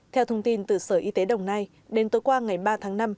theo thông tin từ sở y tế đồng nai đến tối qua ngày ba tháng năm